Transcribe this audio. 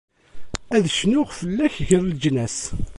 Ad cnuɣ fell-ak gar leǧnas.